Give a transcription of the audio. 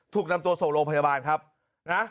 ถูกนำตัวส่งโรงพยาบาลครับนะ